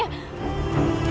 aku lupa aku lupa aku lupa